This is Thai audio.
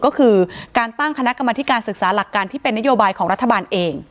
ก็คือการตั้งคณะกรรมธิการศึกษาหลักการที่เป็นนโยบายของรัฐบาลเอง